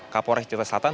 kapolres jakarta selatan